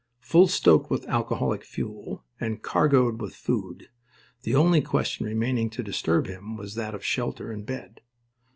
Full—stoked with alcoholic fuel and cargoed with food, the only question remaining to disturb him was that of shelter and bed.